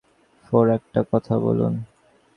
তবে ব্যাপার নয় কারণ, টেবিল ফোর, একটা কথা বলুন।